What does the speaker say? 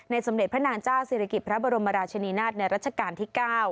ในสำเร็จพระนางจ้าศิลกิจพระบรมราชนินาธิในรัชกาลที่๙